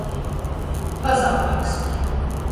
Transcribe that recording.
Vazaunīks.